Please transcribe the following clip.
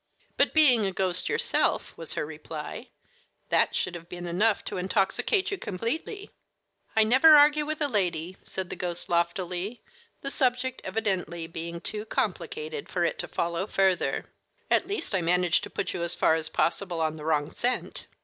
"But being a ghost yourself," was her reply, "that should have been enough to intoxicate you completely." "I never argue with a lady," said the ghost loftily, the subject evidently being too complicated for it to follow further. "At least I managed to put you as far as possible on the wrong scent."